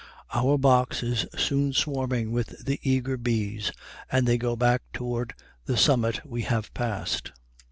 Our box is soon swarming with the eager bees, and they go back toward the summit we have passed.